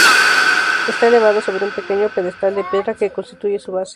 Está elevada sobre un pequeño pedestal de piedra que constituye su base.